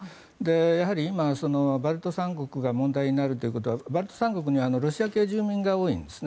やはり今、バルト三国が問題になるということはバルト三国にはロシア系住民が多いんですね。